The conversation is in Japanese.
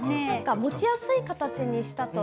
持ちやすい形にしたそうです。